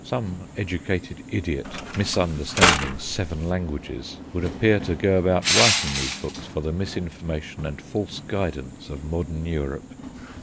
Some educated idiot, misunderstanding seven languages, would appear to go about writing these books for the misinformation and false guidance of modern Europe."